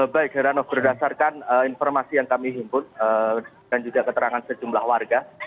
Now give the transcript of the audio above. baik sir ano berdasarkan informasi yang kami himbut dan juga keterangan sejumlah warga